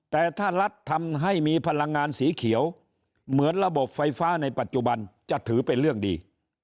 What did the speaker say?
แต่ถ้ารัฐทำให้มีพลังงานสีเขียวเหมือนระบบไฟฟ้าในปัจจุบันจะถือเป็นเรื่องดี